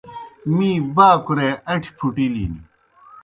می باکُرَے ان٘ٹھیْ پُھٹِلِن۔